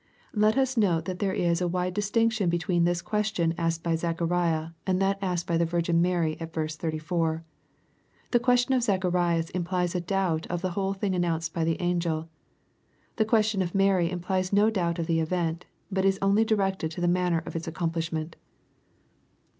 ] Let us note that there is a wide distinction between this question asked by Zacharias, and that asked by the Virgin Mary, at verse 84. The question of Zacha rias implies a doubt of the whole thing announced by the angeL The question of Mary implies no doubt of the event, but is only directed to the manner of its accomplishment.